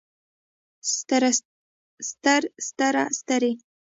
ستر ستره سترې